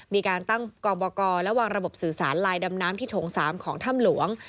มีการตั้งกองบกและวางระบบสื่อสารลายดำน้ำที่โถง๓ของถ้ำหลวง